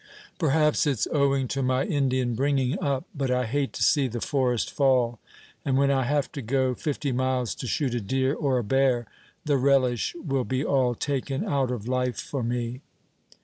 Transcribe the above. Perhaps it's owing to my Indian bringing up, but I hate to see the forest fall; and when I have to go fifty miles to shoot a deer or a bear, the relish will be all taken out of life for me."